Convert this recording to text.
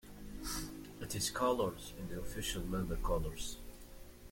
It is colored in the official member colors.